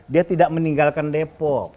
dia tidak meninggalkan depok